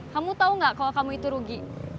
kamu tahu nggak kalau kamu itu rugi